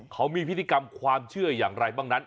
เขามีพิธีกรรมความเชื่ออย่างไรบ้างนั้น